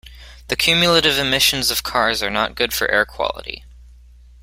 The cumulative emissions of cars are not good for air quality.